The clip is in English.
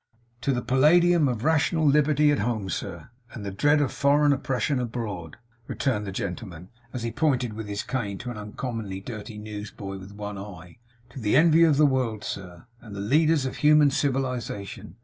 'To the Palladium of rational Liberty at home, sir, and the dread of Foreign oppression abroad,' returned the gentleman, as he pointed with his cane to an uncommonly dirty newsboy with one eye. 'To the Envy of the world, sir, and the leaders of Human Civilization.